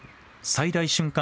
最大瞬間